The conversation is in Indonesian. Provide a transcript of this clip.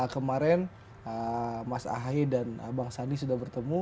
kemarin mas ahaye dan bang sandi sudah bertemu